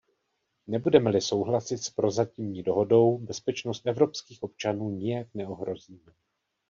Nebudeme-li souhlasit s prozatímní dohodou, bezpečnost evropských občanů nijak neohrozíme.